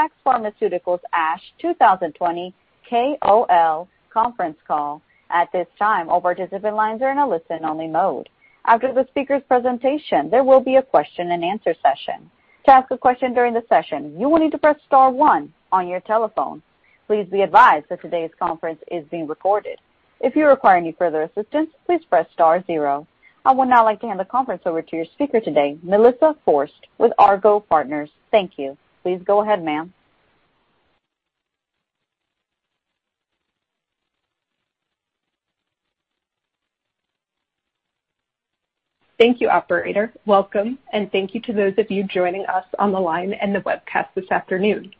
Syndax Pharmaceuticals ASH 2020 KOL Conference Call. At this time all participants are in a listen-only mode. After the speaker's presentation, there will be a question and answer session. To ask a question during a session, you will need to press star one on your telephone. Please be advised that today's conference is being recorded. If you require any further assistance, please press star zero. I would now like to hand the conference over to your speaker today, Melissa Forst, with Argot Partners. Thank you. Please go ahead, ma'am. Thank you, operator. Welcome, and thank you to those of you joining us on the line and the webcast this afternoon.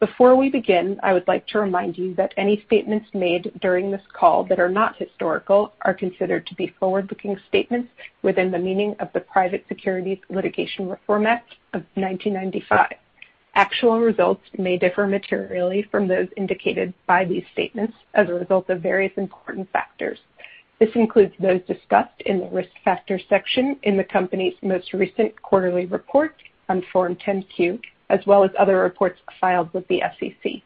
Before we begin, I would like to remind you that any statements made during this call that are not historical are considered to be forward-looking statements within the meaning of the Private Securities Litigation Reform Act of 1995. Actual results may differ materially from those indicated by these statements as a result of various important factors. This includes those discussed in the risk factor section in the company's most recent quarterly report on Form 10-Q, as well as other reports filed with the SEC.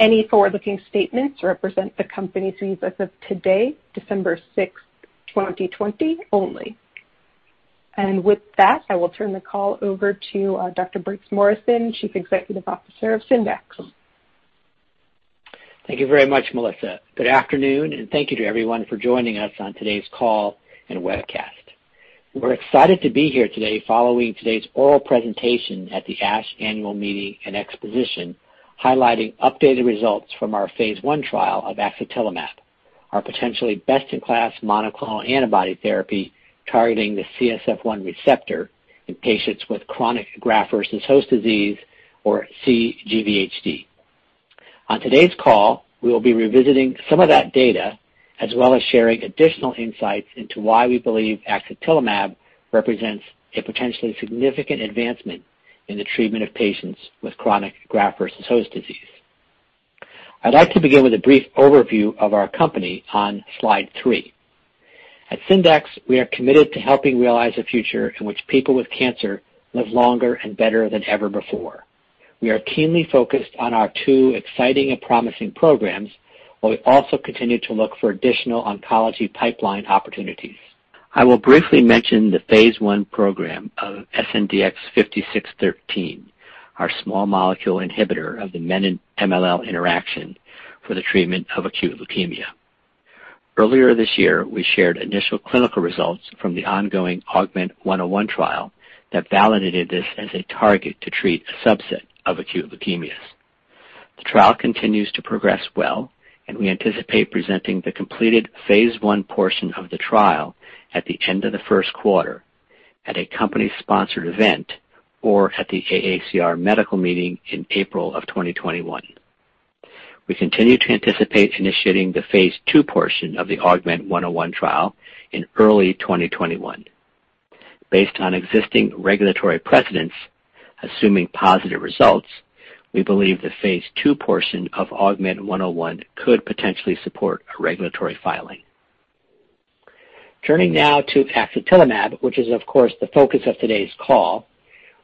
Any forward-looking statements represent the company's views as of today, December 6th, 2020, only. With that, I will turn the call over to Dr. Briggs Morrison, Chief Executive Officer of Syndax. Thank you very much, Melissa. Good afternoon, and thank you to everyone for joining us on today's call and webcast. We're excited to be here today following today's oral presentation at the ASH annual meeting and exposition, highlighting updated results from our phase I trial of axatilimab, our potentially best-in-class monoclonal antibody therapy targeting the CSF1 receptor in patients with Chronic Graft-Versus-Host Disease, or cGVHD. On today's call, we will be revisiting some of that data, as well as sharing additional insights into why we believe axatilimab represents a potentially significant advancement in the treatment of patients with Chronic Graft-Versus-Host Disease. I'd like to begin with a brief overview of our company on slide three. At Syndax, we are committed to helping realize a future in which people with cancer live longer and better than ever before. We are keenly focused on our two exciting and promising programs, while we also continue to look for additional oncology pipeline opportunities. I will briefly mention the phase I program of SNDX-5613, our small molecule inhibitor of the menin-MLL interaction for the treatment of acute leukemia. Earlier this year, we shared initial clinical results from the ongoing AUGMENT-101 trial that validated this as a target to treat a subset of acute leukemias. The trial continues to progress well. We anticipate presenting the completed phase I portion of the trial at the end of the first quarter at a company-sponsored event or at the AACR medical meeting in April 2021. We continue to anticipate initiating the phase II portion of the AUGMENT-101 trial in early 2021. Based on existing regulatory precedents, assuming positive results, we believe the phase II portion of AUGMENT-101 could potentially support a regulatory filing. Turning now to axatilimab, which is of course the focus of today's call,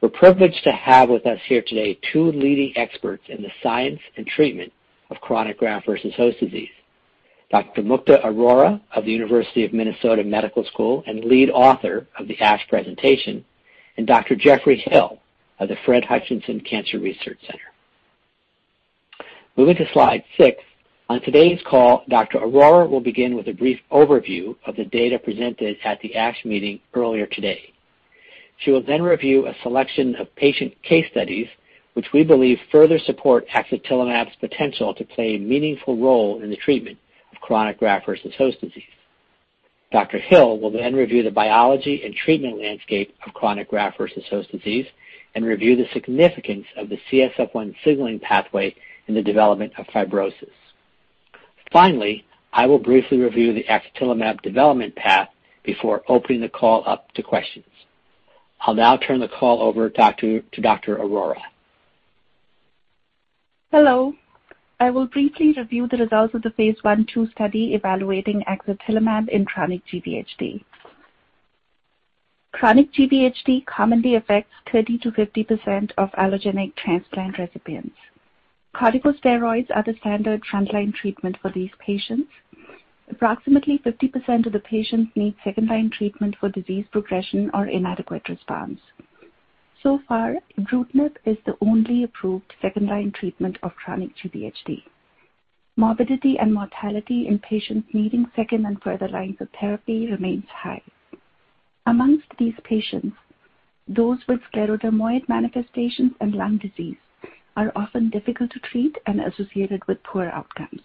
we're privileged to have with us here today two leading experts in the science and treatment of chronic graft-versus-host disease. Dr. Mukta Arora of the University of Minnesota Medical School and lead author of the ASH presentation, and Dr. Geoffrey Hill of the Fred Hutchinson Cancer Research Center. Moving to slide six, on today's call, Dr. Arora will begin with a brief overview of the data presented at the ASH meeting earlier today. She will then review a selection of patient case studies, which we believe further support axatilimab's potential to play a meaningful role in the treatment of chronic graft-versus-host disease. Dr. Hill will then review the biology and treatment landscape of chronic graft-versus-host disease and review the significance of the CSF1 signaling pathway in the development of fibrosis. Finally, I will briefly review the axatilimab development path before opening the call up to questions. I'll now turn the call over to Dr. Arora. Hello. I will briefly review the results of the phase I/II study evaluating axatilimab in chronic GvHD. Chronic GvHD commonly affects 30%-50% of allogeneic transplant recipients. Corticosteroids are the standard frontline treatment for these patients. Approximately 50% of the patients need second-line treatment for disease progression or inadequate response. So far, ibrutinib is the only approved second-line treatment of chronic GvHD. Morbidity and mortality in patients needing second and further lines of therapy remains high. Amongst these patients, those with sclerodermoid manifestations and lung disease are often difficult to treat and associated with poor outcomes.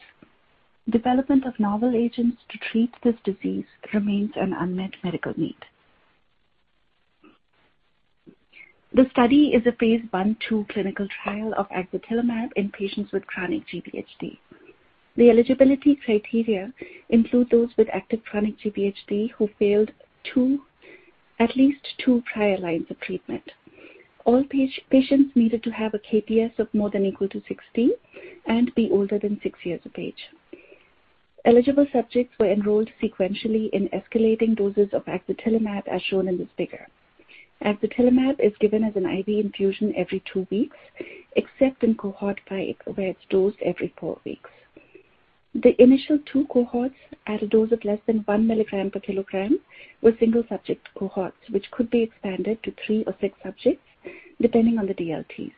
Development of novel agents to treat this disease remains an unmet medical need. The study is a phase I/II clinical trial of axatilimab in patients with chronic GvHD. The eligibility criteria include those with active chronic GvHD who failed at least two prior lines of treatment. All patients needed to have a KPS of more than equal to 60 and be older than six years of age. Eligible subjects were enrolled sequentially in escalating doses of axatilimab as shown in this figure. axatilimab is given as an IV infusion every two weeks, except in cohort five, where it's dosed every four weeks. The initial two cohorts at a dose of less than 1 mg/kg were single subject cohorts, which could be expanded to three or six subjects, depending on the DLTs.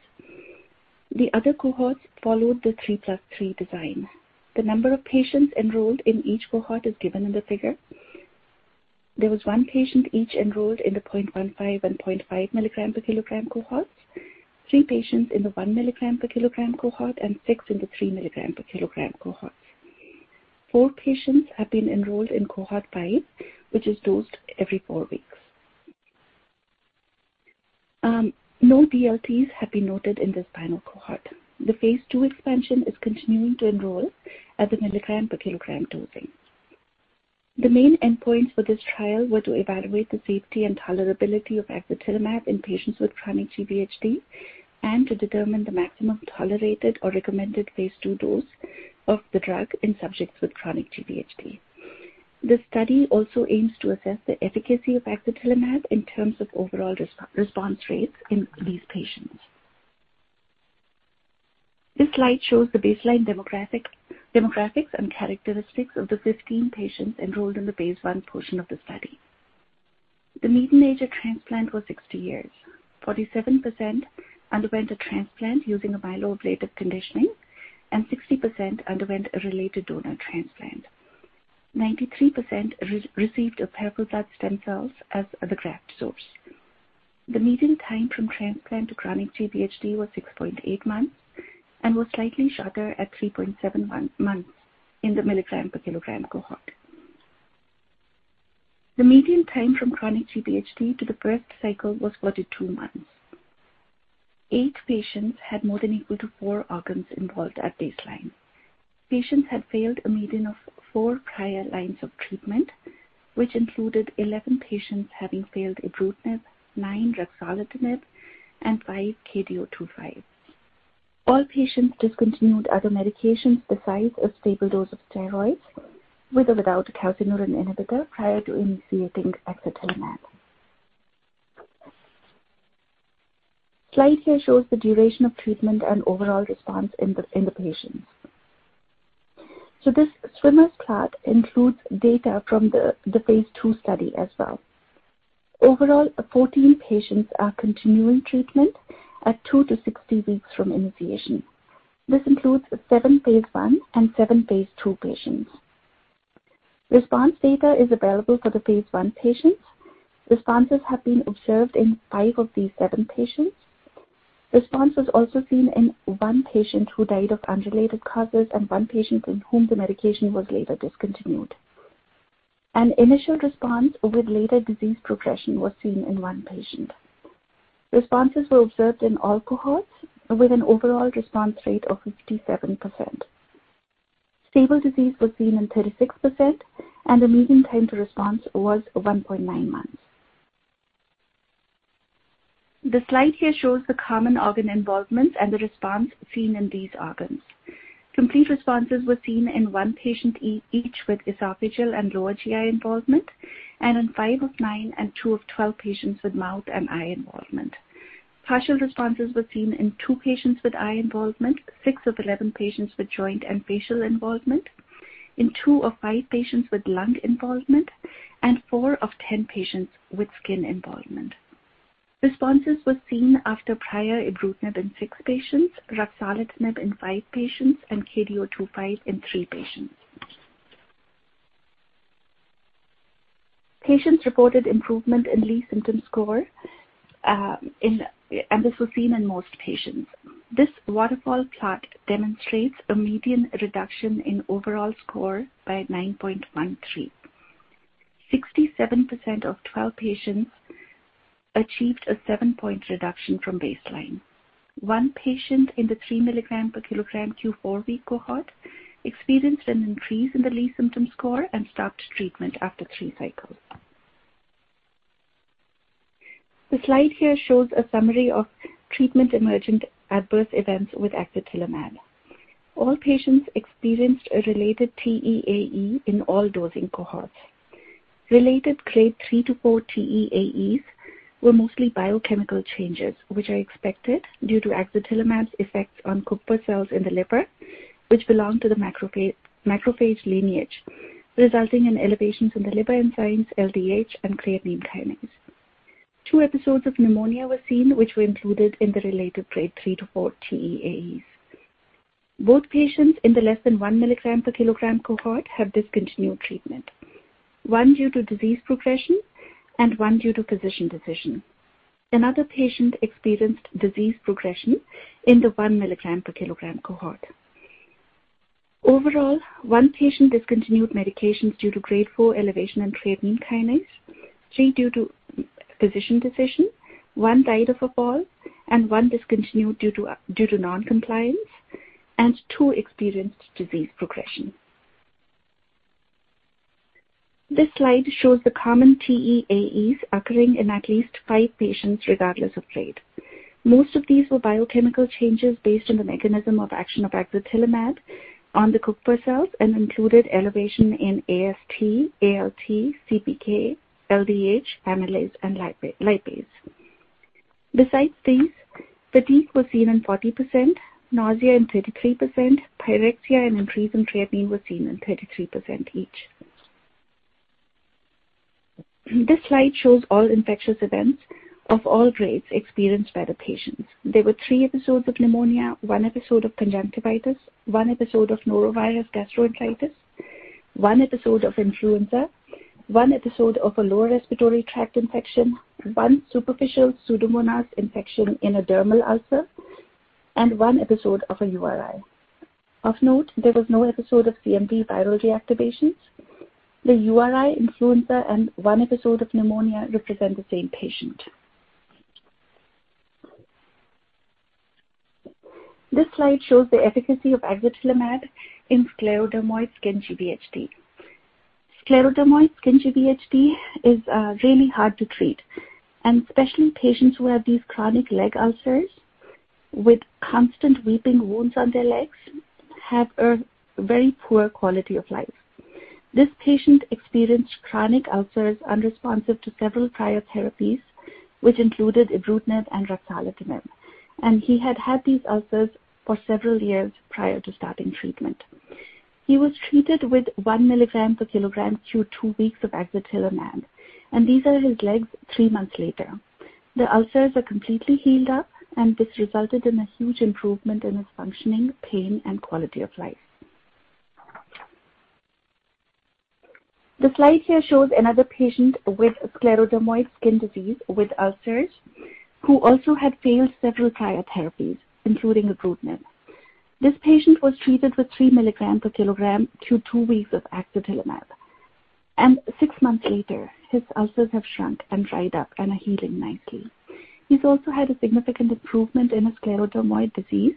The other cohorts followed the three plus three design. The number of patients enrolled in each cohort is given in the figure. There was one patient each enrolled in the .15 mg and .5 mg per kg cohorts, three patients in the 1 mg/kg cohort, and six in the three milligram per kilogram cohorts. Four patients have been enrolled in cohort 5, which is dosed every four weeks. No DLTs have been noted in this final cohort. The phase II expansion is continuing to enroll at the milligram per kilogram dosing. The main endpoints for this trial were to evaluate the safety and tolerability of axatilimab in patients with chronic GvHD and to determine the maximum tolerated or recommended phase II dose of the drug in subjects with chronic GvHD. The study also aims to assess the efficacy of axatilimab in terms of overall response rates in these patients. This slide shows the baseline demographics and characteristics of the 15 patients enrolled in the phase I portion of the study. The median age at transplant was 60 years. 47% underwent a transplant using a myeloablative conditioning. 60% underwent a related donor transplant. 93% received a peripheral blood stem cells as the graft source. The median time from transplant to chronic GvHD was 6.8 months and was slightly shorter at 3.7 months in the milligram per kilogram cohort. The median time from chronic GvHD to the first cycle was 42 months. Eight patients had more than equal to four organs involved at baseline. Patients had failed a median of four prior lines of treatment, which included 11 patients having failed ibrutinib, nine ruxolitinib, and five KD025. All patients discontinued other medications besides a stable dose of steroids, with or without a calcineurin inhibitor prior to initiating axatilimab. Slide here shows the duration of treatment and overall response in the patients. This swimmer's plot includes data from the phase II study as well. Overall, 14 patients are continuing treatment at two to 60 weeks from initiation. This includes seven phase I and seven phase II patients. Response data is available for the phase I patients. Responses have been observed in five of these seven patients. Response was also seen in one patient who died of unrelated causes and one patient in whom the medication was later discontinued. An initial response with later disease progression was seen in one patient. Responses were observed in all cohorts with an overall response rate of 57%. Stable disease was seen in 36%, and the median time to response was 1.9 months. The slide here shows the common organ involvement and the response seen in these organs. Complete responses were seen in one patient each with esophageal and lower GI involvement, and in five of nine and two of 12 patients with mouth and eye involvement. Partial responses were seen in two patients with eye involvement, six of 11 patients with joint and facial involvement, in two of five patients with lung involvement, and four of 10 patients with skin involvement. Responses were seen after prior ibrutinib in six patients, ruxolitinib in five patients, and KD025 in three patients. Patients reported improvement in Lee symptom score, this was seen in most patients. This waterfall plot demonstrates a median reduction in overall score by 9.13. 67% of 12 patients achieved a seven-point reduction from baseline. One patient in the mg per kg Q4W cohort experienced an increase in the Lee symptom score and stopped treatment after three cycles. The slide here shows a summary of treatment-emergent adverse events with axatilimab. All patients experienced a related TEAE in all dosing cohorts. Related Grade 3 to 4 TEAEs were mostly biochemical changes, which are expected due to axatilimab's effects on Kupffer cells in the liver, which belong to the macrophage lineage, resulting in elevations in the liver enzymes LDH and creatine kinase. Two episodes of pneumonia were seen, which were included in the related Grade 3 to 4 TEAEs. Both patients in the less than one milligram per kilogram cohort have discontinued treatment, one due to disease progression and one due to physician decision. Another patient experienced disease progression in the 1 mg/kg cohort. Overall, one patient discontinued medications due to Grade 4 elevation in creatine kinase, three due to physician decision, one died of a fall, and one discontinued due to non-compliance, and two experienced disease progression. This slide shows the common TEAEs occurring in at least five patients, regardless of grade. Most of these were biochemical changes based on the mechanism of action of axatilimab on the Kupffer cells and included elevation in AST, ALT, CPK, LDH, amylase, and lipase. Besides these, fatigue was seen in 40%, nausea in 33%, pyrexia and increase in creatinine were seen in 33% each. This slide shows all infectious events of all grades experienced by the patients. There were three episodes of pneumonia, one episode of conjunctivitis, one episode of norovirus gastroenteritis, one episode of influenza, one episode of a lower respiratory tract infection, one superficial Pseudomonas infection in a dermal ulcer, and one episode of a URI. Of note, there was no episode of CMV viral reactivations. The URI, influenza, and one episode of pneumonia represent the same patient. This slide shows the efficacy of axatilimab in sclerodermoid skin GVHD. Sclerodermoid skin GVHD is really hard to treat, and especially patients who have these chronic leg ulcers with constant weeping wounds on their legs have a very poor quality of life. This patient experienced chronic ulcers unresponsive to several prior therapies, which included ibrutinib and ruxolitinib, and he had had these ulcers for several years prior to starting treatment. He was treated with 1 mg/kg Q2-weeks of axatilimab, and these are his legs three months later. The ulcers are completely healed up, and this resulted in a huge improvement in his functioning, pain, and quality of life. The slide here shows another patient with sclerodermoid skin disease with ulcers who also had failed several prior therapies, including ibrutinib. This patient was treated with 3 mg/kg Q2-weeks of axatilimab. 6 months later, his ulcers have shrunk and dried up and are healing nicely. He's also had a significant improvement in his sclerodermoid disease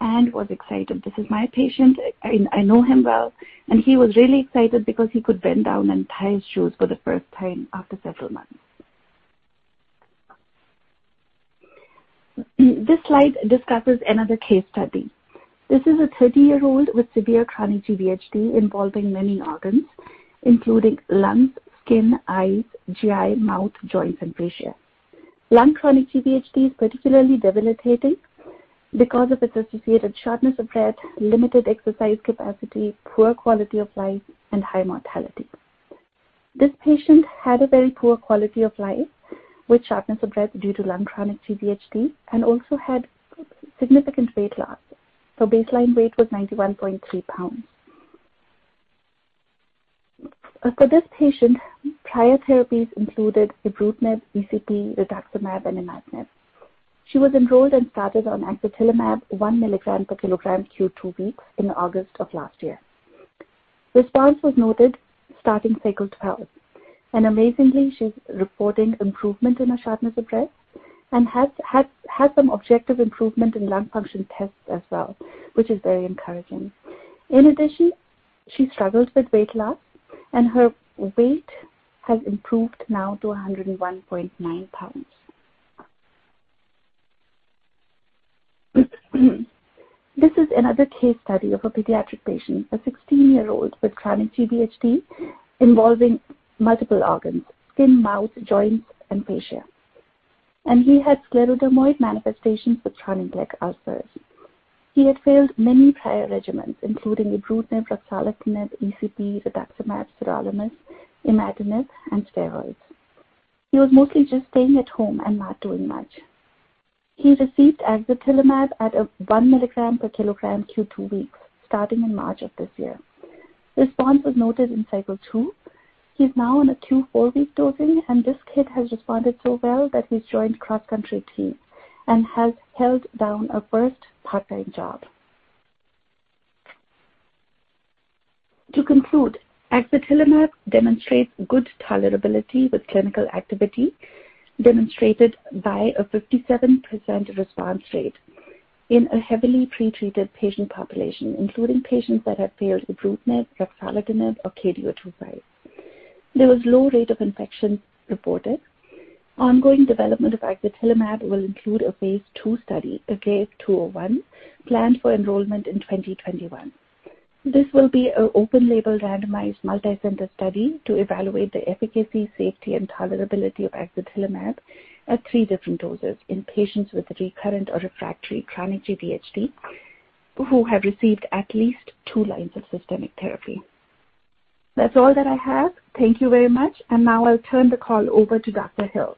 and was excited. This is my patient. I know him well, and he was really excited because he could bend down and tie his shoes for the first time after several months. This slide discusses another case study. This is a 30-year-old with severe chronic GvHD involving many organs, including lungs, skin, eyes, GI, mouth, joints, and fascia. Lung chronic GvHD is particularly debilitating because of its associated shortness of breath, limited exercise capacity, poor quality of life, and high mortality. This patient had a very poor quality of life, with shortness of breath due to lung chronic GvHD and also had significant weight loss. Baseline weight was 91.3 pounds. For this patient, prior therapies included ibrutinib, ECP, rituximab, and imatinib. She was enrolled and started on axatilimab, 1 mg/kg Q2-weeks in August of last year. Response was noted starting cycle 12. Amazingly, she's reporting improvement in her shortness of breath and has had some objective improvement in lung function tests as well, which is very encouraging. In addition, she struggles with weight loss. Her weight has improved now to 101.9 pounds. This is another case study of a pediatric patient, a 16-year-old with chronic GvHD involving multiple organs, skin, mouth, joints, and fascia. He had sclerodermoid manifestations with chronic leg ulcers. He had failed many prior regimens, including ibrutinib, ruxolitinib, ECP, rituximab, sirolimus, imatinib, and steroids. He was mostly just staying at home and not doing much. He received axatilimab at 1 mg/kg Q2-weeks starting in March of this year. Response was noted in Cycle 2. He's now on a Q4-week dosing, this kid has responded so well that he's joined cross-country team and has held down a first part-time job. To conclude, axatilimab demonstrates good tolerability with clinical activity demonstrated by a 57% response rate in a heavily pretreated patient population, including patients that had failed ibrutinib, ruxolitinib, or KD025. There was low rate of infection reported. Ongoing development of axatilimab will include a phase II study, a AGAVE-201, planned for enrollment in 2021. This will be an open-label, randomized, multicenter study to evaluate the efficacy, safety, and tolerability of axatilimab at three different doses in patients with recurrent or refractory chronic GVHD who have received at least two lines of systemic therapy. That's all that I have. Thank you very much. Now I'll turn the call over to Dr. Hill.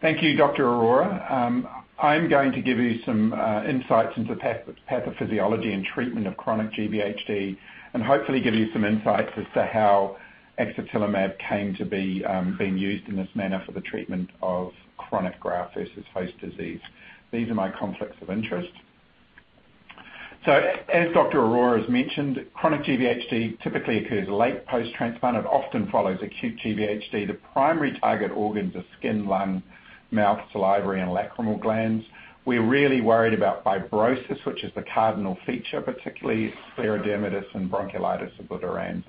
Thank you, Dr. Arora. I'm going to give you some insights into pathophysiology and treatment of chronic GvHD and hopefully give you some insights as to how axatilimab came to be being used in this manner for the treatment of chronic graft-versus-host disease. These are my conflicts of interest. As Dr. Arora has mentioned, chronic GvHD typically occurs late post-transplant. It often follows acute GvHD. The primary target organs are skin, lung, mouth, salivary, and lacrimal glands. We're really worried about fibrosis, which is the cardinal feature, particularly sclerodermitis and bronchiolitis obliterans.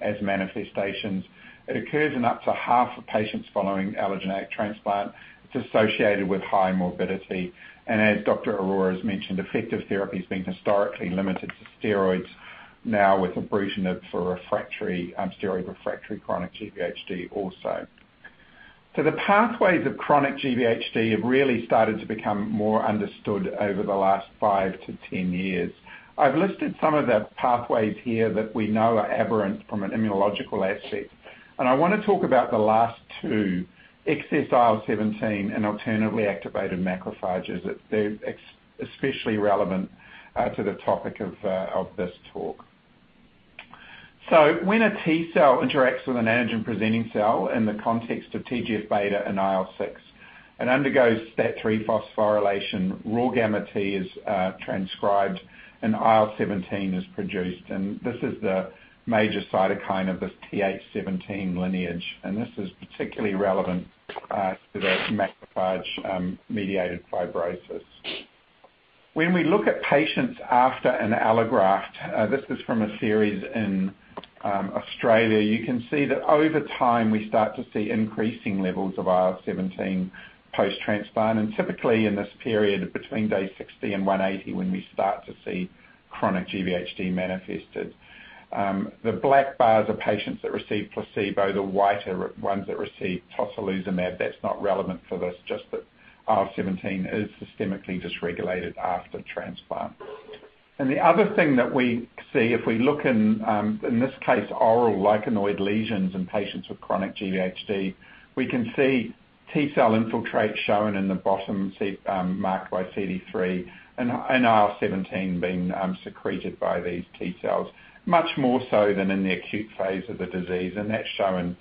As manifestations. It occurs in up to half of patients following allogeneic transplant. It's associated with high morbidity. As Dr. Arora has mentioned, effective therapy has been historically limited to steroids, now with ibrutinib for steroid-refractory chronic GvHD also. The pathways of chronic GvHD have really started to become more understood over the last 5 to 10 years. I've listed some of the pathways here that we know are aberrant from an immunological aspect. I want to talk about the last two, excess IL-17 and alternatively activated macrophages, as they're especially relevant to the topic of this talk. When a T cell interacts with an antigen-presenting cell in the context of TGF-beta and IL-6, it undergoes STAT3 phosphorylation, RORγt is transcribed, and IL-17 is produced, and this is the major cytokine of this Th17 lineage. This is particularly relevant to the macrophage-mediated fibrosis. When we look at patients after an allograft, this is from a series in Australia, you can see that over time, we start to see increasing levels of IL-17 post-transplant, and typically in this period between day 60 and 180 when we start to see chronic GVHD manifested. The black bars are patients that received placebo. The white are ones that received tocilizumab. That's not relevant for this, just that IL-17 is systemically dysregulated after transplant. The other thing that we see, if we look in this case, oral lichenoid lesions in patients with chronic GVHD, we can see T cell infiltrates shown in the bottom marked by CD3 and IL-17 being secreted by these T cells, much more so than in the acute phase of the disease, and that's shown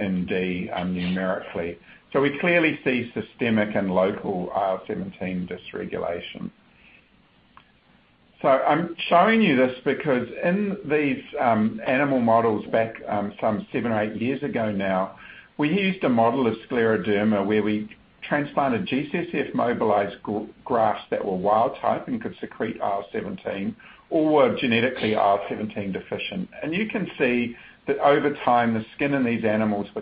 in D numerically. We clearly see systemic and local IL-17 dysregulation. I'm showing you this because in these animal models back some seven or eight years ago now, we used a model of scleroderma where we transplanted G-CSF mobilized grafts that were wild type and could secrete IL-17 or were genetically IL-17 deficient. You can see that over time, the skin in these animals, the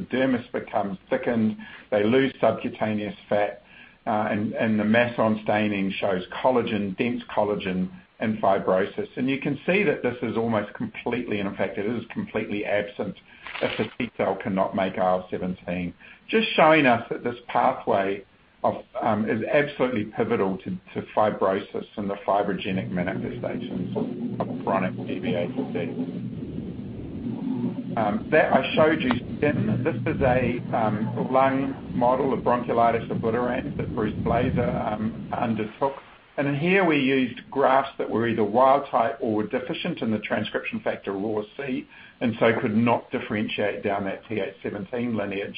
dermis becomes thickened, they lose subcutaneous fat, and the Masson staining shows dense collagen and fibrosis. You can see that this is almost completely, and in fact, it is completely absent if the T cell cannot make IL-17, just showing us that this pathway is absolutely pivotal to fibrosis and the fibrogenic manifestations of chronic GvHD. That I showed you skin. This is a lung model of bronchiolitis obliterans that Bruce Blazar undertook. In here we used grafts that were either wild type or were deficient in the transcription factor RORC, and so could not differentiate down that Th17 lineage.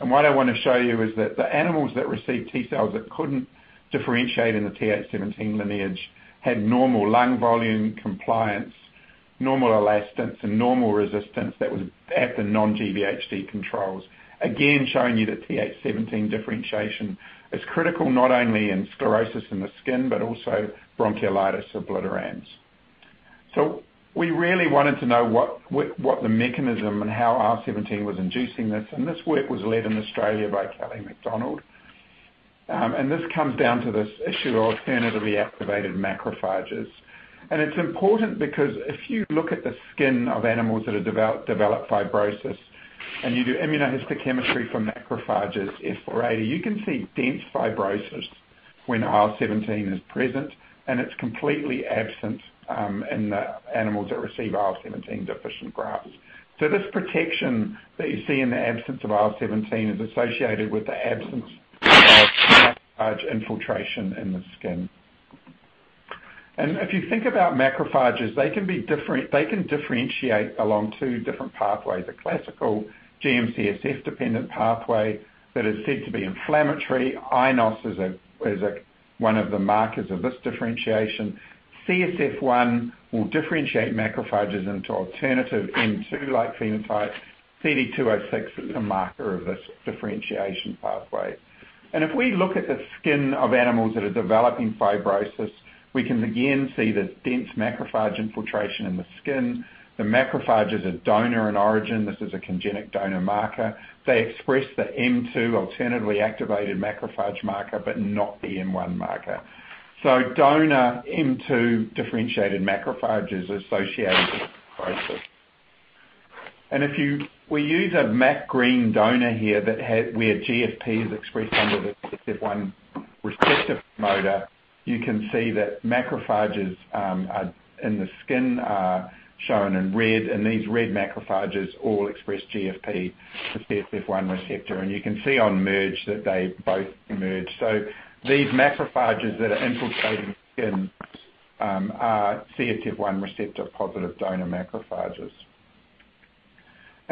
What I want to show you is that the animals that received T cells that couldn't differentiate in the Th17 lineage had normal lung volume compliance, normal elastance, and normal resistance that was at the non-GVHD controls. Again, showing you that Th17 differentiation is critical, not only in sclerosis in the skin but also bronchiolitis obliterans. We really wanted to know what the mechanism and how IL-17 was inducing this, and this work was led in Australia by Kelli MacDonald. This comes down to this issue of alternatively activated macrophages. It's important because if you look at the skin of animals that have developed fibrosis and you do immunohistochemistry for macrophages, F4/80, you can see dense fibrosis when IL-17 is present, and it's completely absent in the animals that receive IL-17 deficient grafts. This protection that you see in the absence of IL-17 is associated with the absence of macrophage infiltration in the skin. If you think about macrophages, they can differentiate along two different pathways, a classical GM-CSF-dependent pathway that is said to be inflammatory. iNOS is one of the markers of this differentiation. CSF1 will differentiate macrophages into alternative M2-like phenotypes. CD206 is a marker of this differentiation pathway. If we look at the skin of animals that are developing fibrosis, we can again see the dense macrophage infiltration in the skin. The macrophage is a donor in origin. This is a congenic donor marker. They express the M2 alternatively activated macrophage marker, not the M1 marker. Donor M2 differentiated macrophages associated with fibrosis. If we use a MacGreen donor here where GFP is expressed under the CSF1 Receptor promoter, you can see that macrophages in the skin are shown in red, and these red macrophages all express GFP, the CSF1 Receptor, and you can see on merge that they both merge. These macrophages that are infiltrating skin are CSF1 Receptor positive donor macrophages.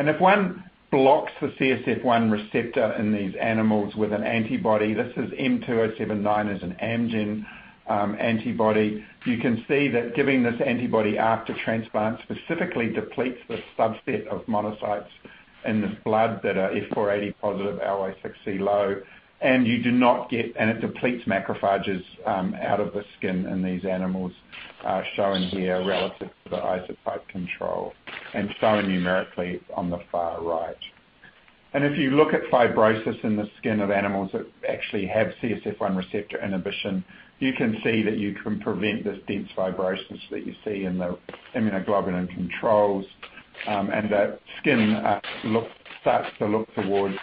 If one blocks the CSF1 Receptor in these animals with an antibody, this is M279 is an Amgen antibody. You can see that giving this antibody after transplant specifically depletes the subset of monocytes in the blood that are F4/80 positive, Ly6C low, and it depletes macrophages out of the skin in these animals, shown here relative to the isotype control, and shown numerically on the far right. If you look at fibrosis in the skin of animals that actually have CSF1 receptor inhibition, you can see that you can prevent this dense fibrosis that you see in the immunoglobulin controls, and that skin starts to look towards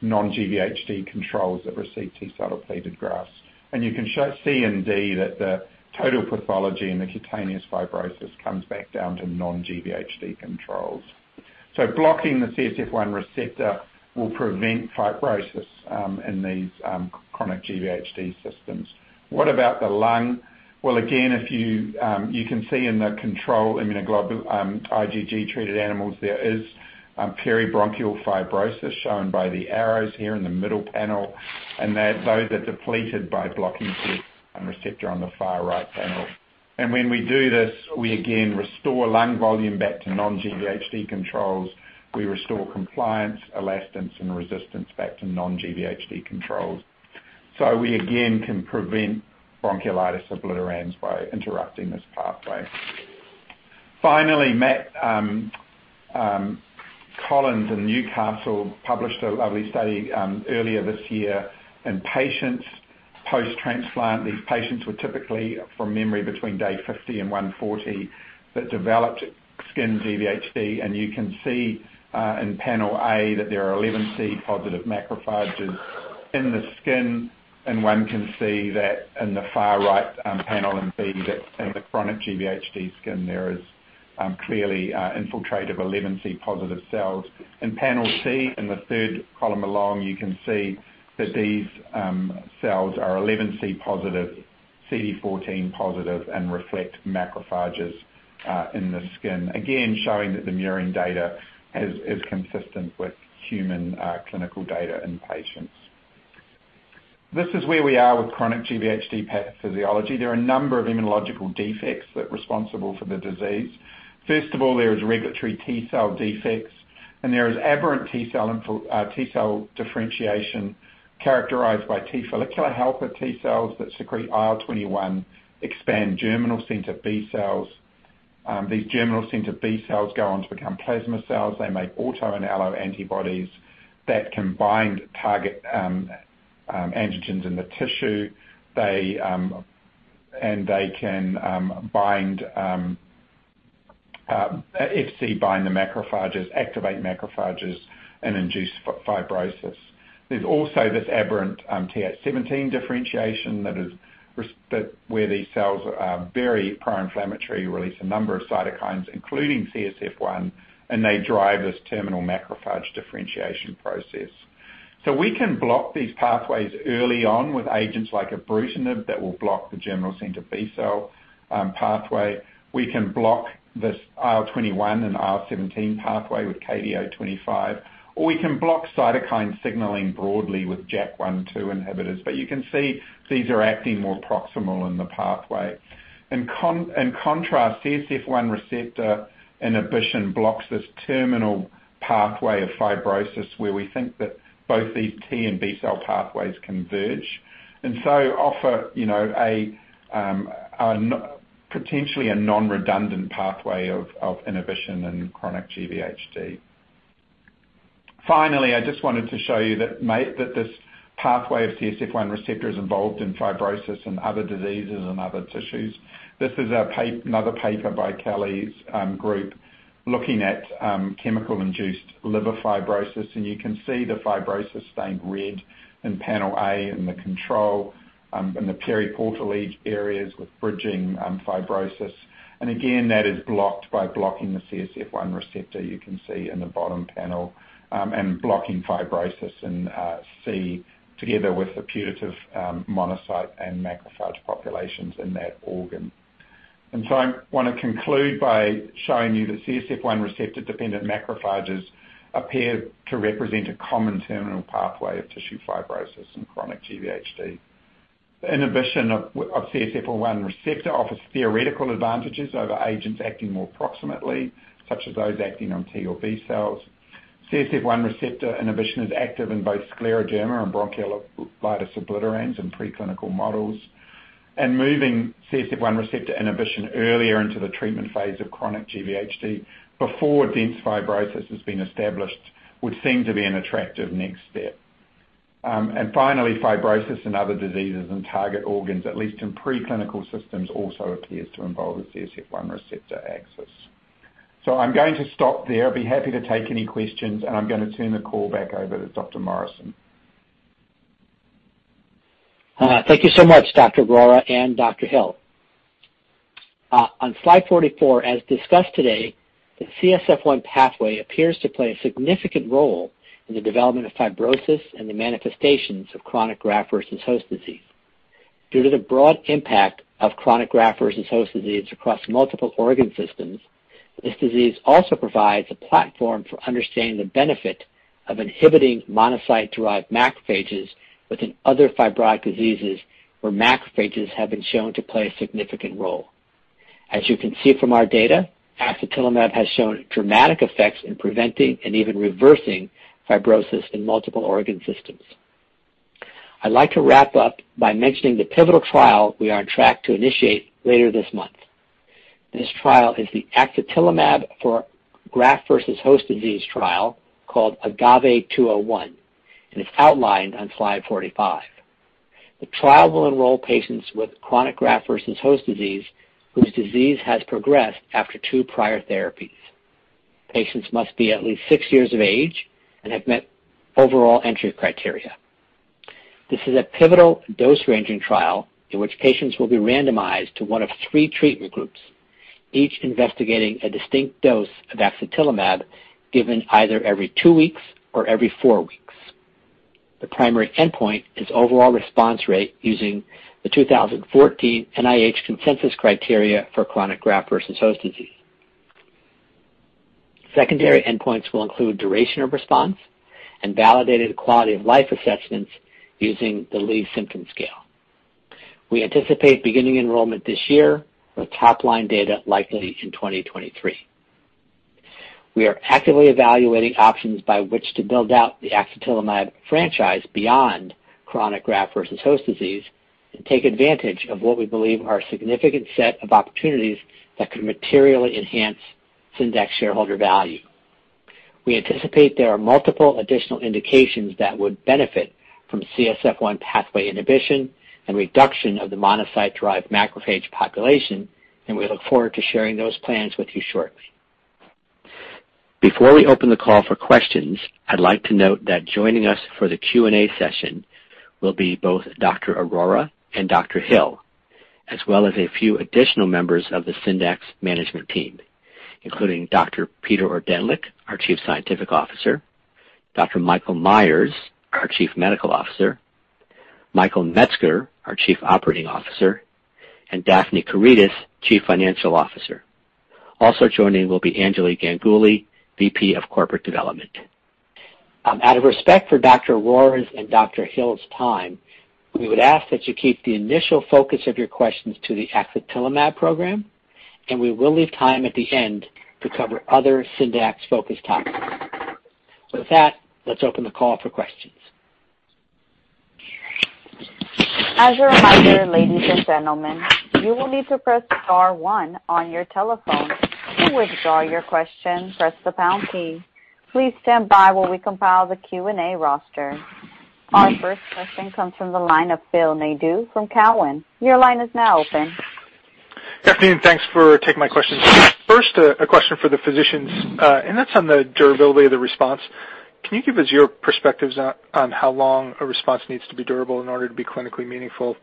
non-GvHD controls that receive T cell depleted grafts. You can see indeed that the total pathology in the cutaneous fibrosis comes back down to non-GvHD controls. Blocking the CSF1 receptor will prevent fibrosis in these chronic GVHD systems. What about the lung? Well, again, you can see in the control IgG-treated animals, there is peribronchial fibrosis shown by the arrows here in the middle panel, and those are depleted by blocking the receptor on the far right panel. When we do this, we again restore lung volume back to non-GvHD controls. We restore compliance, elastance, and resistance back to non-GvHD controls. We again can prevent bronchiolitis obliterans by interrupting this pathway. Finally, Matt Collin in Newcastle published a lovely study earlier this year in patients post-transplant. These patients were typically, from memory, between day 50 and 140, that developed skin GvHD, and you can see in panel A that there are CD11c positive macrophages in the skin, and one can see that in the far right panel in B, that in the chronic GvHD skin, there is clearly infiltrative CD11c positive cells. In panel C, in the third column along, you can see that these cells are CD11c positive, CD14 positive, and reflect macrophages in the skin. Showing that the murine data is consistent with human clinical data in patients. This is where we are with chronic cGvHD pathophysiology. There are a number of immunological defects that responsible for the disease. First of all, there is regulatory T cell defects, and there is aberrant T cell differentiation characterized by T follicular helper T cells that secrete IL-21, expand germinal center B cells. These germinal center B cells go on to become plasma cells. They make auto and alloantibodies that can bind target antigens in the tissue. They can Fc bind the macrophages, activate macrophages, and induce fibrosis. There's also this aberrant Th17 differentiation where these cells are very pro-inflammatory, release a number of cytokines, including CSF1, and they drive this terminal macrophage differentiation process. We can block these pathways early on with agents like ibrutinib that will block the germinal center B cell pathway. We can block this IL-21 and IL-17 pathway with KD025, or we can block cytokine signaling broadly with JAK1/2 inhibitors. You can see these are acting more proximal in the pathway. In contrast, CSF1R inhibition blocks this terminal pathway of fibrosis where we think that both these T cell and B cell pathways converge. Offer potentially a non-redundant pathway of inhibition in chronic GvHD. Finally, I just wanted to show you that this pathway of CSF1R is involved in fibrosis and other diseases and other tissues. This is another paper by Kelli's group looking at chemical-induced liver fibrosis. You can see the fibrosis stained red in panel A in the control, in the periportal edge areas with bridging fibrosis. Again, that is blocked by blocking the CSF1 receptor, you can see in the bottom panel, and blocking fibrosis in C together with the putative monocyte and macrophage populations in that organ. I want to conclude by showing you that CSF1 receptor-dependent macrophages appear to represent a common terminal pathway of tissue fibrosis in chronic GvHD. Inhibition of CSF1 receptor offers theoretical advantages over agents acting more proximately, such as those acting on T cell or B cells. CSF1 receptor inhibition is active in both scleroderma and bronchiolitis obliterans in pre-clinical models. Moving CSF1 receptor inhibition earlier into the treatment phase of chronic GvHD before dense fibrosis has been established would seem to be an attractive next step. Finally, fibrosis in other diseases and target organs, at least in pre-clinical systems, also appears to involve the CSF1 receptor axis. I'm going to stop there. I'd be happy to take any questions, and I'm going to turn the call back over to Dr. Morrison. Thank you so much, Dr. Mukta Arora and Dr. Hill. On slide 44, as discussed today, the CSF1 pathway appears to play a significant role in the development of fibrosis and the manifestations of chronic graft-versus-host disease. Due to the broad impact of chronic graft-versus-host disease across multiple organ systems, this disease also provides a platform for understanding the benefit of inhibiting monocyte-derived macrophages within other fibrotic diseases where macrophages have been shown to play a significant role. As you can see from our data, axatilimab has shown dramatic effects in preventing and even reversing fibrosis in multiple organ systems. I'd like to wrap up by mentioning the pivotal trial we are on track to initiate later this month. This trial is the axatilimab for graft-versus-host disease trial called AGAVE-201, and it's outlined on slide 45. The trial will enroll patients with chronic graft-versus-host disease whose disease has progressed after two prior therapies. Patients must be at least six years of age and have met overall entry criteria. This is a pivotal dose-ranging trial in which patients will be randomized to one of three treatment groups, each investigating a distinct dose of axatilimab, given either every two weeks or every four weeks. The primary endpoint is overall response rate using the 2014 NIH consensus criteria for chronic graft-versus-host disease. Secondary endpoints will include duration of response and validated quality of life assessments using the Lee Symptom Scale. We anticipate beginning enrollment this year with top-line data likely in 2023. We are actively evaluating options by which to build out the axatilimab franchise beyond chronic graft-versus-host disease and take advantage of what we believe are a significant set of opportunities that could materially enhance Syndax shareholder value. We anticipate there are multiple additional indications that would benefit from CSF1 pathway inhibition and reduction of the monocyte-drive macrophage population. We look forward to sharing those plans with you shortly. Before we open the call for questions, I'd like to note that joining us for the Q&A session will be both Dr. Arora and Dr. Hill, as well as a few additional members of the Syndax management team, including Dr. Peter Ordentlich, our Chief Scientific Officer, Dr. Michael Myers, our Chief Medical Officer, Michael Metzger, our Chief Operating Officer, and Daphne Karydas, Chief Financial Officer. Also joining will be Anjali Ganguli, VP of Corporate Development. Out of respect for Dr. Arora's and Dr. Hill's time, we would ask that you keep the initial focus of your questions to the axatilimab program, and we will leave time at the end to cover other Syndax-focused topics. With that, let's open the call for questions. As a reminder, ladies and gentlemen, you will need to press star one on your telephone. To withdraw your question, press the pound key. Please stand by while we compile the Q&A roster. Our first question comes from the line of Phil Nadeau from Cowen. Your line is now open. Good afternoon. Thanks for taking my questions. First, a question for the physicians, and that's on the durability of the response. Can you give us your perspectives on how long a response needs to be durable in order to be clinically meaningful?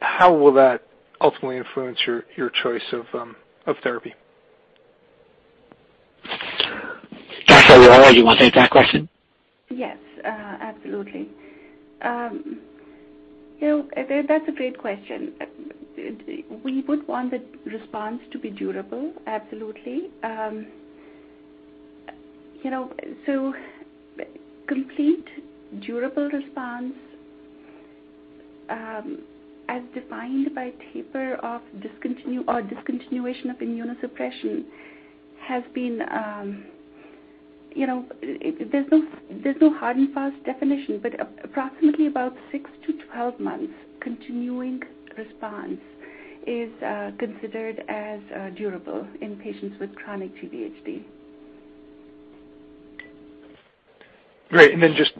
How will that ultimately influence your choice of therapy? Dr. Arora, you want to take that question? Yes. Absolutely. That's a great question. We would want the response to be durable, absolutely. Complete durable response, as defined by taper off or discontinuation of immunosuppression, there's no hard and fast definition, but approximately about six-12 months continuing response is considered as durable in patients with chronic GvHD. Great. Just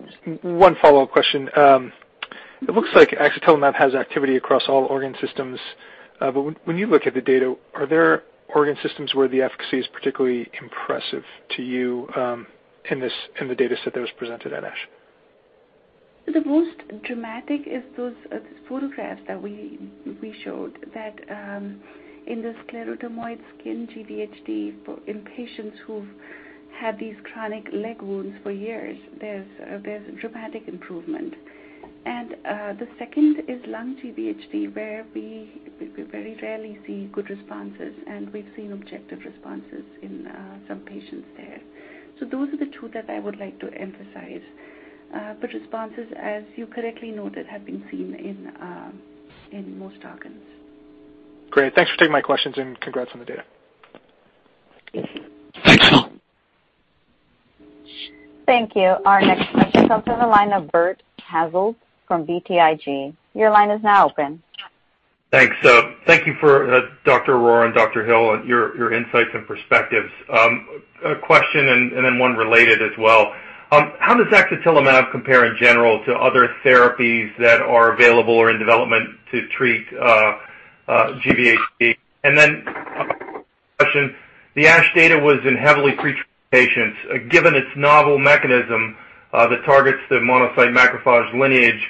one follow-up question. It looks like axatilimab has activity across all organ systems, but when you look at the data, are there organ systems where the efficacy is particularly impressive to you in the data set that was presented at ASH? The most dramatic is those photographs that we showed that in the sclerodermoid skin GVHD in patients who've had these chronic leg wounds for years, there's dramatic improvement. The second is lung GVHD, where we very rarely see good responses, and we've seen objective responses in some patients there. Those are the two that I would like to emphasize. Responses, as you correctly noted, have been seen in most organs. Great. Thanks for taking my questions, and congrats on the data. Thanks, Phil. Thank you. Our next question comes from the line of Bert Hazlett from BTIG. Your line is now open. Thanks. Thank you for, Dr. Arora and Dr. Hill, your insights and perspectives. A question and then one related as well. How does axatilimab compare in general to other therapies that are available or in development to treat GVHD? A question, the ASH data was in heavily pretreated patients. Given its novel mechanism that targets the monocyte macrophage lineage,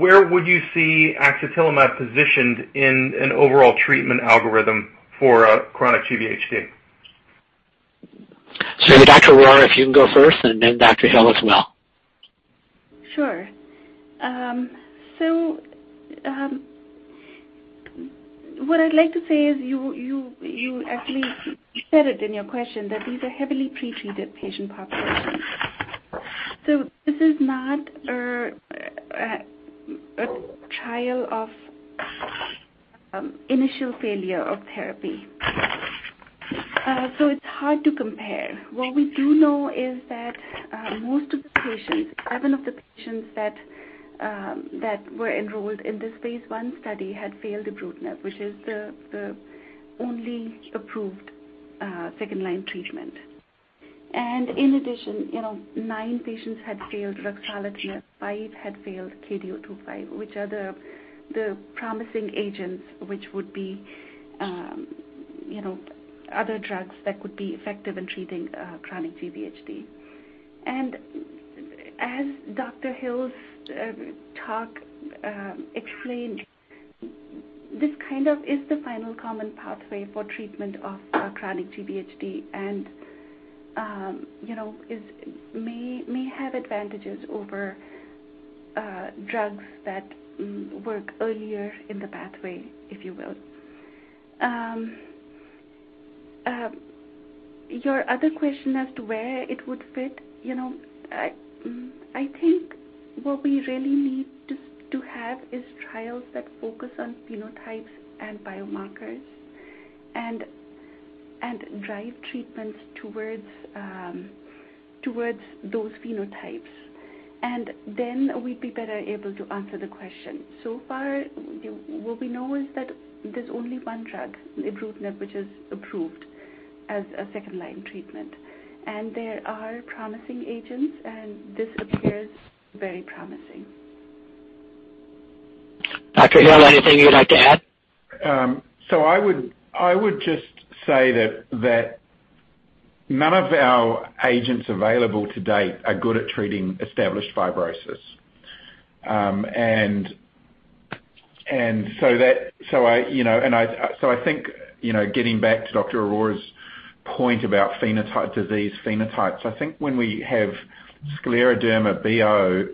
where would you see axatilimab positioned in an overall treatment algorithm for chronic GVHD? Dr. Arora, if you can go first, and then Dr. Hill as well. Sure. What I'd like to say is you actually said it in your question that these are heavily pretreated patient populations. This is not a trial of initial failure of therapy. It's hard to compare. What we do know is that most of the patients, seven of the patients that were enrolled in this phase I study had failed ibrutinib, which is the only approved second-line treatment. In addition, nine patients had failed ruxolitinib, five had failed KD025, which are the promising agents, which would be other drugs that could be effective in treating chronic GvHD. As Dr. Hill's talk explained, this kind of is the final common pathway for treatment of chronic GvHD and may have advantages over drugs that work earlier in the pathway, if you will. Your other question as to where it would fit, I think what we really need to have is trials that focus on phenotypes and biomarkers and drive treatments towards those phenotypes. Then we'd be better able to answer the question. So far, what we know is that there's only one drug, ibrutinib, which is approved as a second-line treatment. There are promising agents, and this appears very promising. Dr. Hill, anything you'd like to add? I would just say that none of our agents available to date are good at treating established fibrosis. I think, getting back to Dr. Arora's point about disease phenotypes, I think when we have scleroderma BO,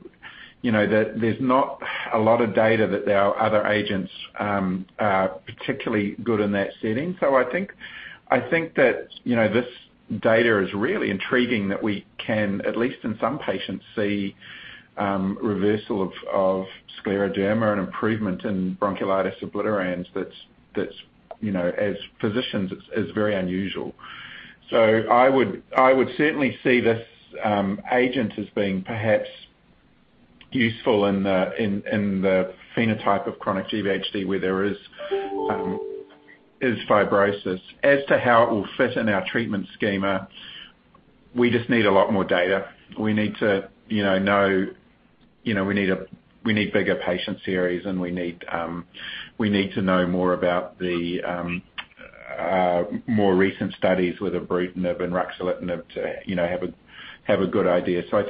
there's not a lot of data that there are other agents are particularly good in that setting. I think that this data is really intriguing that we can, at least in some patients, see reversal of scleroderma and improvement in bronchiolitis obliterans that's, as physicians, is very unusual. I would certainly see this agent as being perhaps useful in the phenotype of chronic GvHD, where there is fibrosis. As to how it will fit in our treatment schema, we just need a lot more data. We need bigger patient series, and we need to know more about the more recent studies with ibrutinib and ruxolitinib to have a good idea. I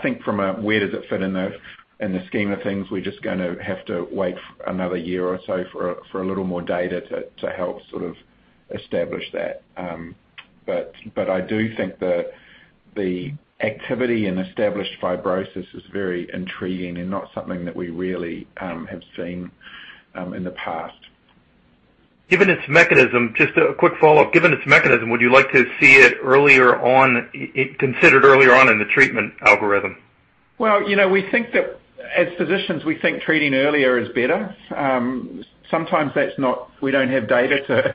think from a where does it fit in the scheme of things, we're just going to have to wait another year or so for a little more data to help sort of establish that. I do think the activity in established fibrosis is very intriguing and not something that we really have seen in the past. Given its mechanism, just a quick follow-up. Given its mechanism, would you like to see it considered earlier on in the treatment algorithm? As physicians, we think treating earlier is better. Sometimes we don't have data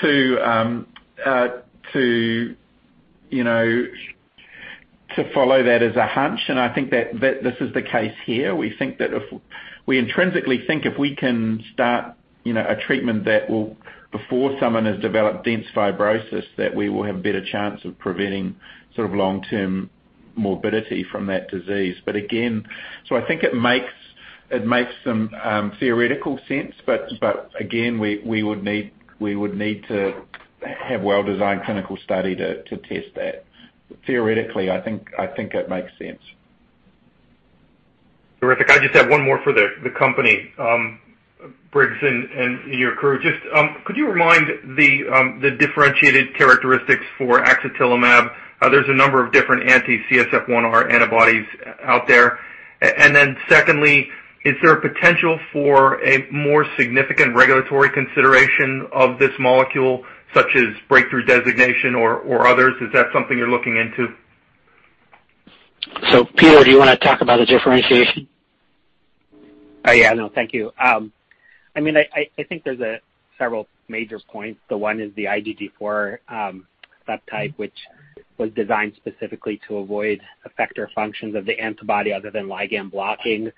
to follow that as a hunch, and I think that this is the case here. We intrinsically think if we can start a treatment before someone has developed dense fibrosis, that we will have a better chance of preventing long-term morbidity from that disease. I think it makes some theoretical sense. Again, we would need to have well-designed clinical study to test that. Theoretically, I think it makes sense. Terrific. I just have one more for the company. Briggs and your crew, just could you remind the differentiated characteristics for axatilimab? There's a number of different anti-CSF1R antibodies out there. Secondly, is there a potential for a more significant regulatory consideration of this molecule, such as breakthrough designation or others? Is that something you're looking into? Peter, do you want to talk about the differentiation? Yeah. No, thank you. I think there's several major points. One is the IgG4 subtype, which was designed specifically to avoid effector functions of the antibody other than ligand blocking.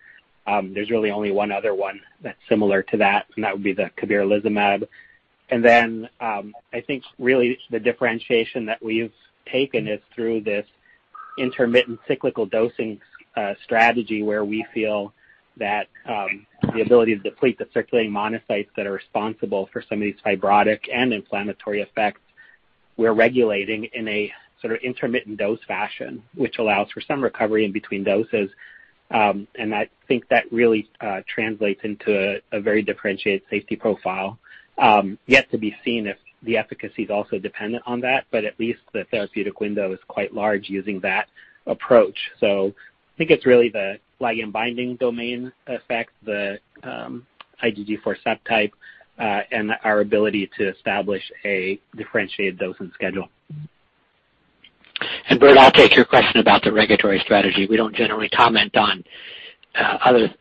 There's really only one other one that's similar to that would be the cabiralizumab. I think really the differentiation that we've taken is through this intermittent cyclical dosing strategy, where we feel that the ability to deplete the circulating monocytes that are responsible for some of these fibrotic and inflammatory effects, we're regulating in a sort of intermittent dose fashion, which allows for some recovery in between doses. I think that really translates into a very differentiated safety profile. Yet to be seen if the efficacy is also dependent on that, but at least the therapeutic window is quite large using that approach. I think it's really the ligand binding domain effect, the IgG4 subtype, and our ability to establish a differentiated dosing schedule. Bert, I'll take your question about the regulatory strategy. We don't generally comment on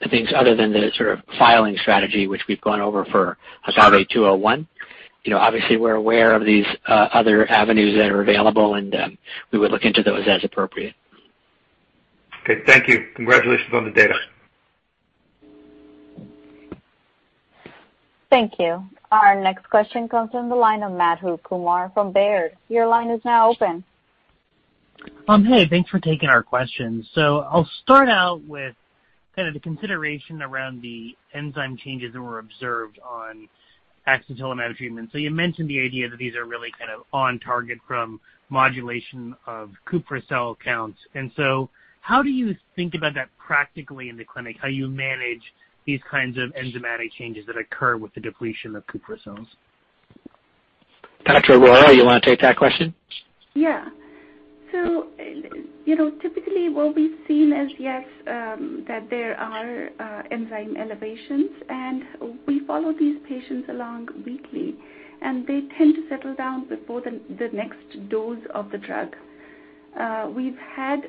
things other than the sort of filing strategy which we've gone over for AGAVE-201. Obviously, we're aware of these other avenues that are available. We would look into those as appropriate. Okay. Thank you. Congratulations on the data. Thank you. Our next question comes from the line of Madhu Kumar from Baird. Your line is now open. Hey, thanks for taking our questions. I'll start out with kind of the consideration around the enzyme changes that were observed on axatilimab treatment. How do you think about that practically in the clinic? How you manage these kinds of enzymatic changes that occur with the depletion of Kupffer cell counts? Dr. Arora, you want to take that question? Typically what we've seen is, yes, that there are enzyme elevations, and we follow these patients along weekly, and they tend to settle down before the next dose of the drug. We've had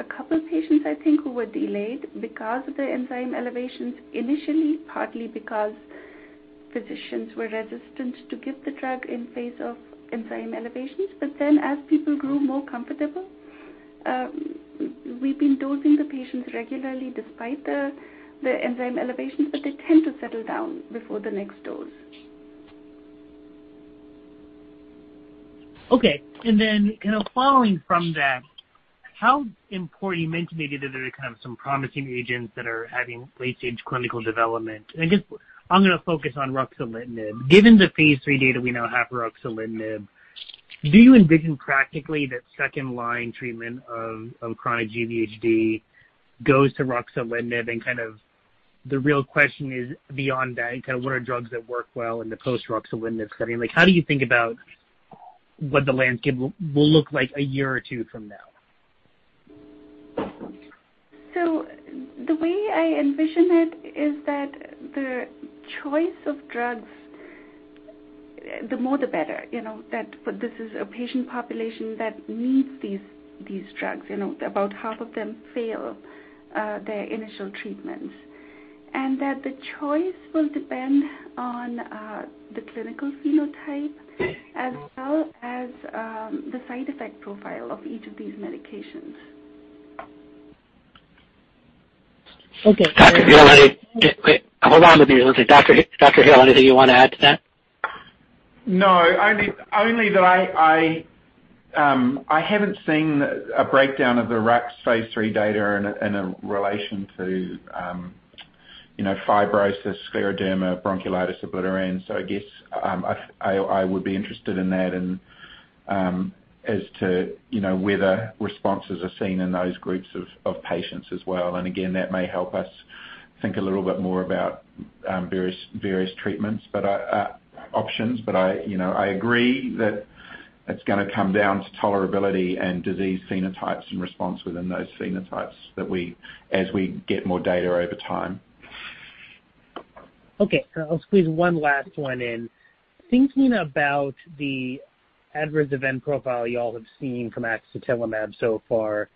a couple of patients, I think, who were delayed because of the enzyme elevations initially, partly because physicians were resistant to give the drug in face of enzyme elevations. As people grew more comfortable, we've been dosing the patients regularly despite the enzyme elevations, but they tend to settle down before the next dose. Okay. Then kind of following from that, you mentioned that there are kind of some promising agents that are having late-stage clinical development. I guess I'm going to focus on ruxolitinib. Given the phase III data we now have for ruxolitinib, do you envision practically that second-line treatment of chronic GVHD goes to ruxolitinib? Kind of the real question is beyond that, kind of what are drugs that work well in the post ruxolitinib setting? How do you think about what the landscape will look like a year or two from now? The way I envision it is that the choice of drugs, the more the better. This is a patient population that needs these drugs. About half of them fail their initial treatments. That the choice will depend on the clinical phenotype as well as the side effect profile of each of these medications. Okay. Dr. Hill, hold on a bit. Dr. Hill, anything you want to add to that? No, only that I haven't seen a breakdown of the rux phase III data in a relation to fibrosis, scleroderma, bronchiolitis obliterans. I guess I would be interested in that and as to whether responses are seen in those groups of patients as well. Again, that may help us think a little bit more about various treatment options. I agree that it's going to come down to tolerability and disease phenotypes and response within those phenotypes as we get more data over time. Okay, I'll squeeze one last one in. Thinking about the adverse event profile you all have seen from axatilimab so far,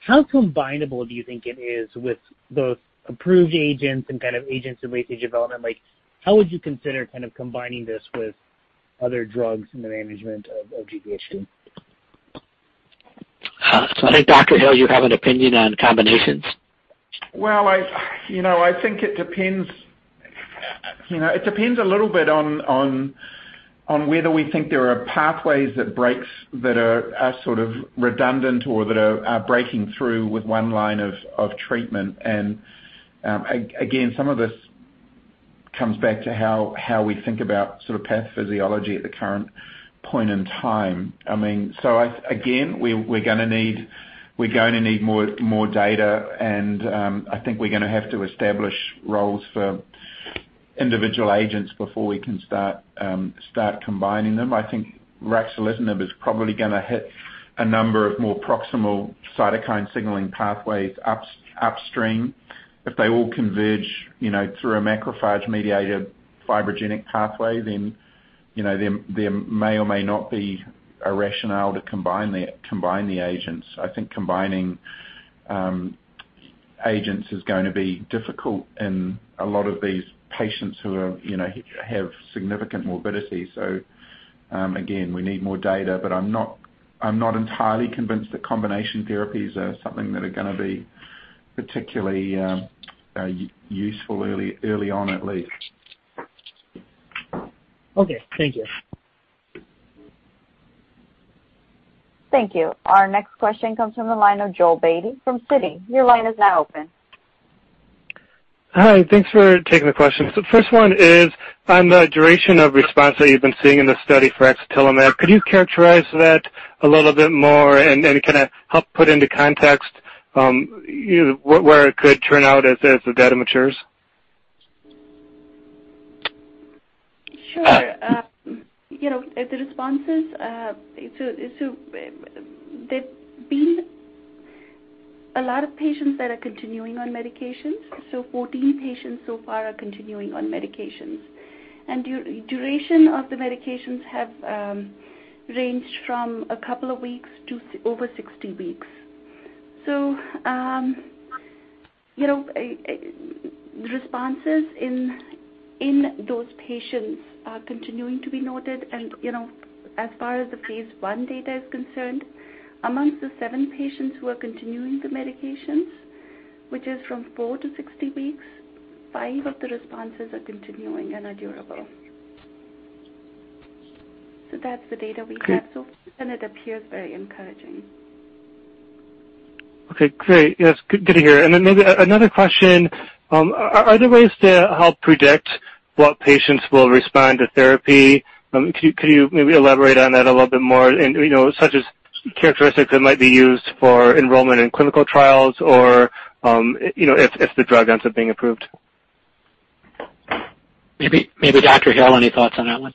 how combinable do you think it is with both approved agents and kind of agents in late-stage development? How would you consider kind of combining this with other drugs in the management of GVHD? I think, Dr. Hill, you have an opinion on combinations. Well, I think it depends a little bit on whether we think there are pathways that are sort of redundant or that are breaking through with one line of treatment. Again, some of this comes back to how we think about sort of pathophysiology at the current point in time. Again, we're going to need more data, and I think we're going to have to establish roles for individual agents before we can start combining them. I think ruxolitinib is probably going to hit a number of more proximal cytokine signaling pathways upstream. If they all converge through a macrophage-mediated fibrogenic pathway, there may or may not be a rationale to combine the agents. I think combining agents is going to be difficult in a lot of these patients who have significant morbidity. Again, we need more data, but I'm not entirely convinced that combination therapies are something that are going to be particularly useful early on, at least. Okay. Thank you. Thank you. Our next question comes from the line of Joel Beatty from Citi. Your line is now open. Hi, thanks for taking the questions. The first one is on the duration of response that you've been seeing in the study for axatilimab. Could you characterize that a little bit more and kind of help put into context where it could turn out as the data matures? Sure. A lot of patients that are continuing on medications. 14 patients so far are continuing on medications. Duration of the medications have ranged from a couple of weeks to over 16 weeks. The responses in those patients are continuing to be noted and as far as the phase I data is concerned, amongst the seven patients who are continuing the medications, which is from four-16 weeks, five of the responses are continuing and are durable. That's the data we have so far, and it appears very encouraging. Okay, great. Yes, good to hear. Another question. Are there ways to help predict what patients will respond to therapy? Could you maybe elaborate on that a little bit more such as characteristics that might be used for enrollment in clinical trials or if the drug ends up being approved? Maybe Dr. Hill, any thoughts on that one?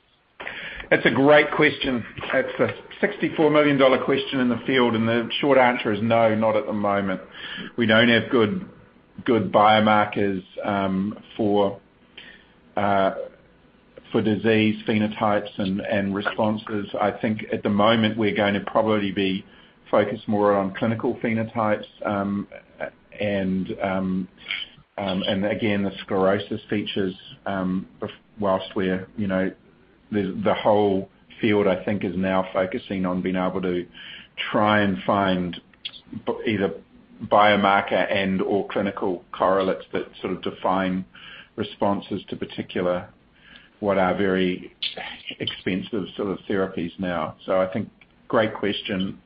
That's a great question. It's the $64 million question in the field, and the short answer is no, not at the moment. We don't have good biomarkers for disease phenotypes and responses. I think at the moment we're going to probably be focused more on clinical phenotypes, and again, the sclerosis features, whilst the whole field, I think, is now focusing on being able to try and find either biomarker and/or clinical correlates that sort of define responses to particular, what are very expensive sort of therapies now. I think great question.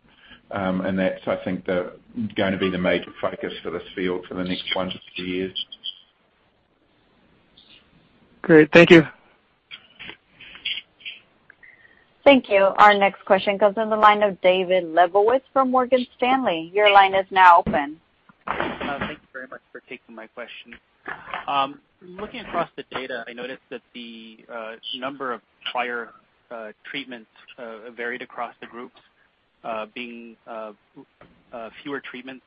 That's, I think, going to be the major focus for this field for the next one to two years. Great. Thank you. Thank you. Our next question comes from the line of David Lebowitz from Morgan Stanley. Your line is now open. Thank you very much for taking my question. Looking across the data, I noticed that the number of prior treatments varied across the groups, being fewer treatments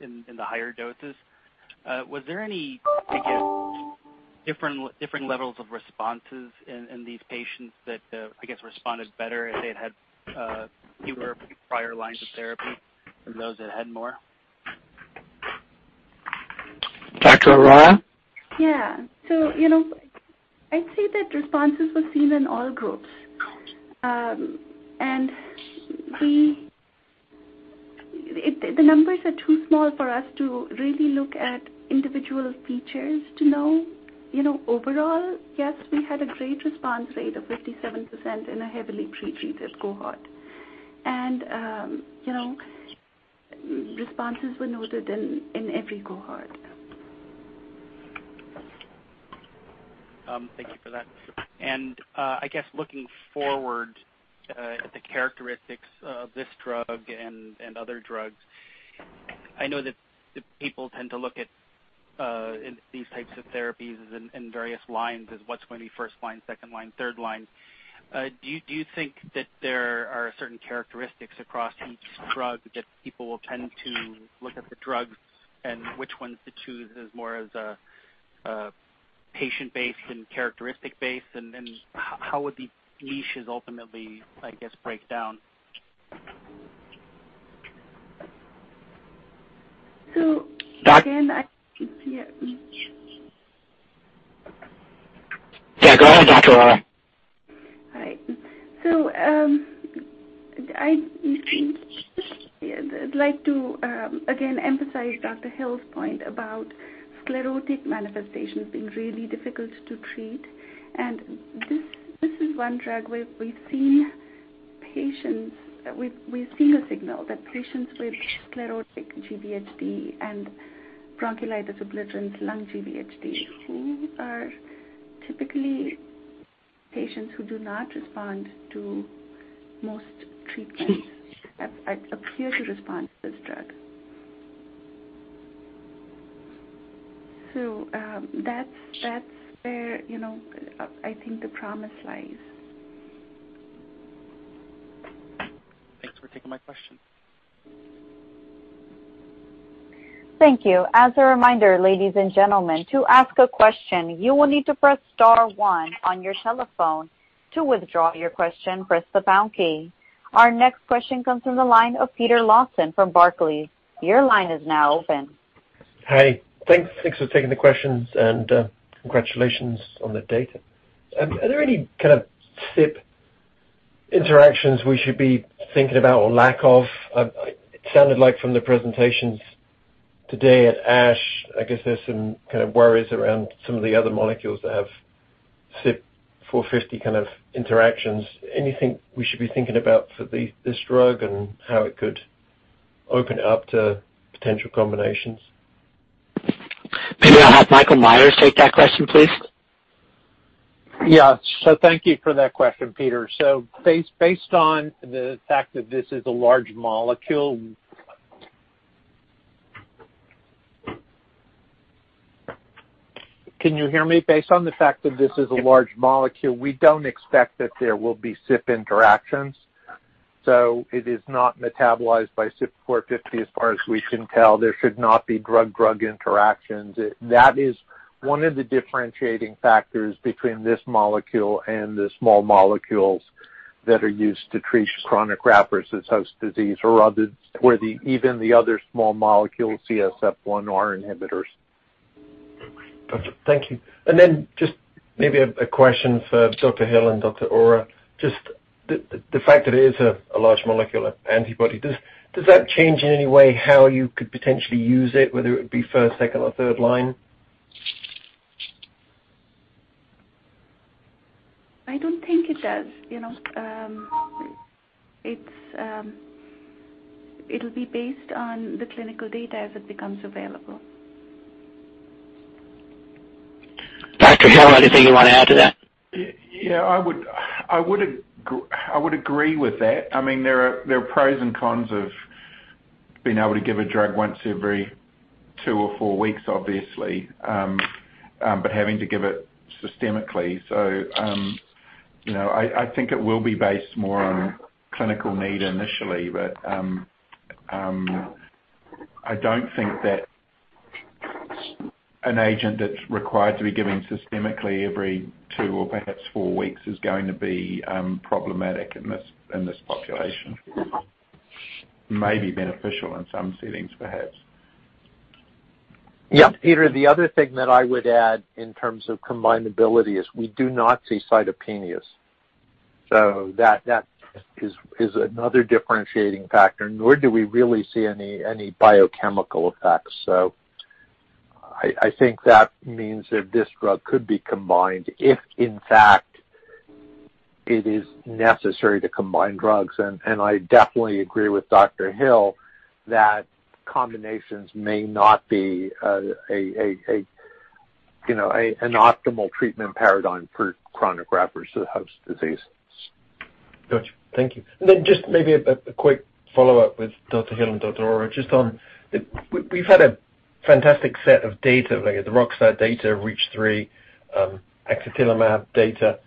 in the higher doses. Was there any, I guess, different levels of responses in these patients that, I guess, responded better if they'd had fewer prior lines of therapy than those that had more? Dr. Arora? Yeah. I'd say that responses were seen in all groups. The numbers are too small for us to really look at individual features to know. Overall, yes, we had a great response rate of 57% in a heavily pretreated cohort. Responses were noted in every cohort. Thank you for that. I guess looking forward, at the characteristics of this drug and other drugs, I know that people tend to look at these types of therapies in various lines as what's going to be first line, second line, third line. Do you think that there are certain characteristics across each drug that people will tend to look at the drugs and which ones to choose as more as a patient-based and characteristic-based, and how would the niches ultimately, I guess, break down? So again, I- Yeah, go ahead, Dr. Arora. All right. I'd like to again emphasize Dr. Hill's point about sclerotic manifestations being really difficult to treat. This is one drug where we've seen a signal that patients with sclerotic GvHD and bronchiolitis obliterans lung GvHD, who are typically patients who do not respond to most treatments, appear to respond to this drug. That's where I think the promise lies. Thanks for taking my question. Thank you. As a reminder, ladies and gentlemen, to ask a question, you will need to press star one on your telephone. To withdraw your question, press the pound key. Our next question comes from the line of Peter Lawson from Barclays. Your line is now open. Hey, thanks for taking the questions and congratulations on the data. Are there any kind of CYP interactions we should be thinking about or lack of? It sounded like from the presentations today at ASH, I guess there's some kind of worries around some of the other molecules that have CYP450 kind of interactions. Anything we should be thinking about for this drug and how it could open it up to potential combinations? Maybe I'll have Michael Metzger take that question, please. Yeah. Thank you for that question, Peter. Based on the fact that this is a large molecule. Can you hear me? Based on the fact that this is a large molecule, we don't expect that there will be CYP interactions. It is not metabolized by CYP450, as far as we can tell. There should not be drug-drug interactions. That is one of the differentiating factors between this molecule and the small molecules that are used to treat chronic graft-versus-host disease, or even the other small molecule CSF1R inhibitors. Gotcha. Thank you. Just maybe a question for Dr. Hill and Dr. Arora. Just the fact that it is a large molecular antibody, does that change in any way how you could potentially use it, whether it be first, second, or third line? I don't think it does. It'll be based on the clinical data as it becomes available. Dr. Hill, anything you want to add to that? I would agree with that. There are pros and cons of being able to give a drug once every two or four weeks, obviously, but having to give it systemically. I think it will be based more on clinical need initially. I don't think that an agent that's required to be given systemically every two or perhaps four weeks is going to be problematic in this population. Maybe beneficial in some settings, perhaps. Yeah, Peter, the other thing that I would add in terms of combinability is we do not see cytopenias. That is another differentiating factor, nor do we really see any biochemical effects. I think that means that this drug could be combined if, in fact, it is necessary to combine drugs. I definitely agree with Dr. Hill that combinations may not be an optimal treatment paradigm for chronic graft-versus-host disease. Gotcha. Thank you. Then just maybe a quick follow-up with Dr. Hill and Dr. Arora, just on, we've had a fantastic set of data, the ROCK2 data, REACH3, axatilimab data.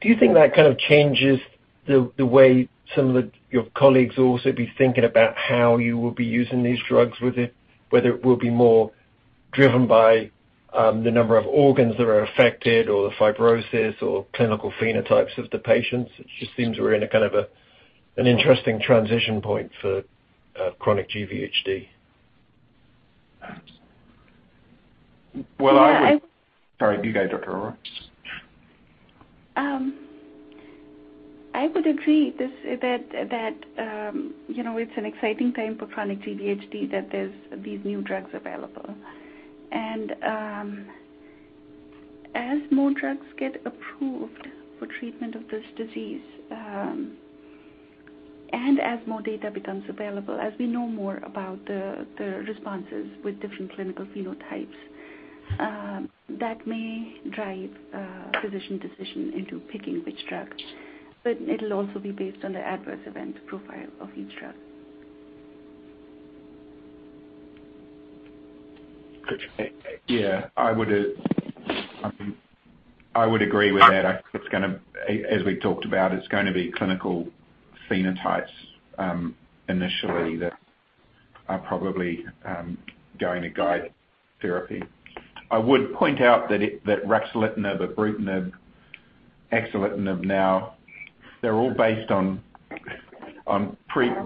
Do you think that kind of changes the way some of your colleagues will also be thinking about how you will be using these drugs with it, whether it will be more driven by the number of organs that are affected, or the fibrosis, or clinical phenotypes of the patients? It just seems we're in a kind of an interesting transition point for chronic cGvHD. Well, I would- Yeah. Sorry. You go, Dr. Arora. I would agree that it's an exciting time for chronic GvHD, that there's these new drugs available. As more drugs get approved for treatment of this disease, and as more data becomes available, as we know more about the responses with different clinical phenotypes, that may drive a physician decision into picking which drug. It'll also be based on the adverse event profile of each drug. Gotcha. I would agree with that. I think as we talked about, it's going to be clinical phenotypes initially that are probably going to guide therapy. I would point out that ruxolitinib, ibrutinib, axatilimab now, they're all based on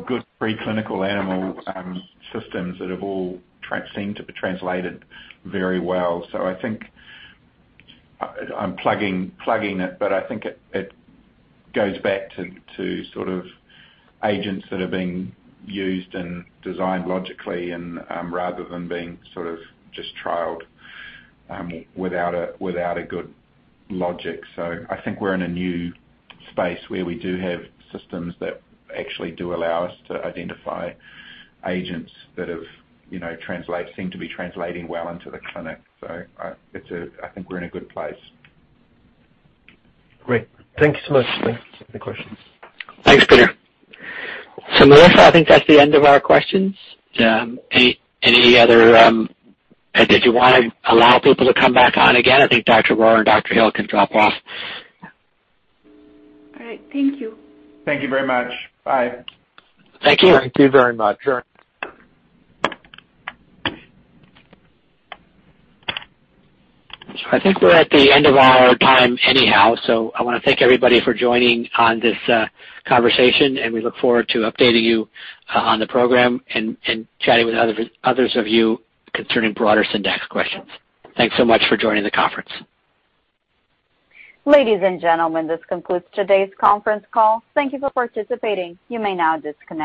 good preclinical animal systems that have all seemed to be translated very well. I think I'm plugging it, but I think it goes back to agents that are being used and designed logically and rather than being just trialed without a good logic. I think we're in a new space where we do have systems that actually do allow us to identify agents that seem to be translating well into the clinic. I think we're in a good place. Great. Thank you so much. That's all the questions. Thanks, Peter. Melissa, I think that's the end of our questions. Did you want to allow people to come back on again? I think Dr. Arora and Dr. Hill can drop off. All right. Thank you. Thank you very much. Bye. Thank you. Thank you very much. Sure. I think we're at the end of our time anyhow, so I want to thank everybody for joining on this conversation, and we look forward to updating you on the program and chatting with others of you concerning broader Syndax questions. Thanks so much for joining the conference. Ladies and gentlemen, this concludes today's conference call. Thank you for participating. You may now disconnect.